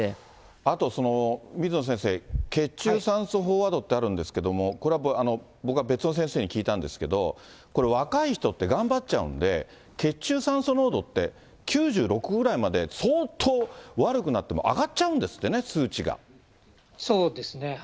あと水野先生、血中酸素飽和度ってあるんですけど、これは僕は別の先生に聞いたんですけども、若い人って頑張っちゃうんで、血中酸素濃度って、９６ぐらいまで相当悪くなっても上がっちゃうんですってね、そうですね。